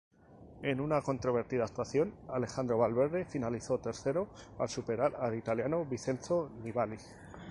En una controvertida actuación, Alejandro Valverde finalizó tercero al superar al italiano Vincenzo Nibali.